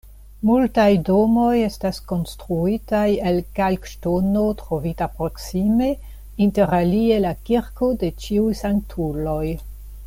Multaj domoj estas konstruitaj el kalkŝtono, trovita proksime, interalie la kirko de ĉiuj sanktuloj.